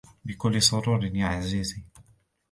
بكل سرور, يا عزيزي.